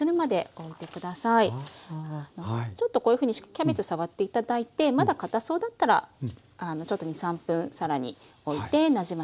ちょっとこういうふうにキャベツ触って頂いてまだかたそうだったらちょっと２３分更においてなじませて下さい。